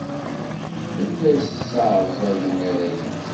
Tella tesseɛẓag inaragen.